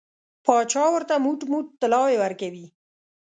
پاچا ورته موټ موټ طلاوې ورکوي.